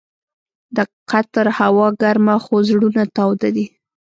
د قطر هوا ګرمه خو زړونه تاوده دي.